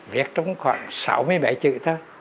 viết trong khoảng sáu mươi bảy chữ đó